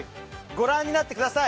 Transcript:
ご覧になってください。